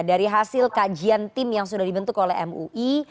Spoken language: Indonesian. dari hasil kajian tim yang sudah dibentuk oleh mui